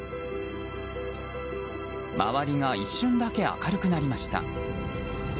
周りが一瞬だけ明るくなりました。